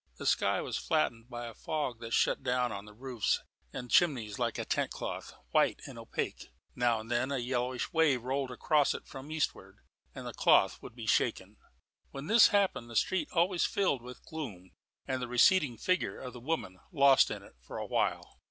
The sky was flattened by a fog that shut down on the roofs and chimneys like a tent cloth, white and opaque. Now and then a yellowish wave rolled across it from eastward, and the cloth would be shaken. When this happened, the street was always filled with gloom, and the receding figure of the woman lost in it for a while.